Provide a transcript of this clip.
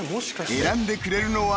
選んでくれるのは］